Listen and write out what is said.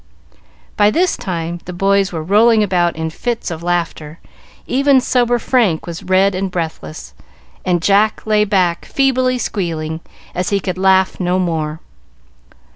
By this time the boys were rolling about in fits of laughter; even sober Frank was red and breathless, and Jack lay back, feebly squealing, as he could laugh no more.